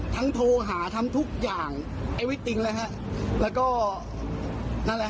ทั้งโทรหาทำทุกอย่างแล้วก็นั่นแหละฮะ